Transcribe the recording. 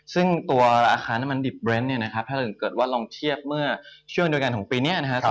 ซึ่งตัวอาคารน้ำมันดิบเบรนด์ถ้าเกิดว่ารองเทียบเมื่อช่วงโดยการของปีนี้นะครับ